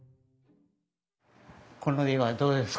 この絵はどうですか？